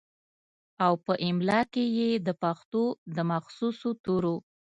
او پۀ املا کښې ئې دَپښتو دَمخصوصو تورو